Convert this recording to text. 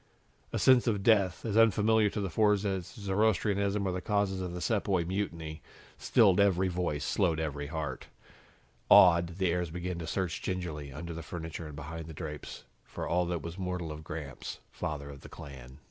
A sense of death, as unfamiliar to the Fords as Zoroastrianism or the causes of the Sepoy Mutiny, stilled every voice, slowed every heart. Awed, the heirs began to search gingerly, under the furniture and behind the drapes, for all that was mortal of Gramps, father of the clan.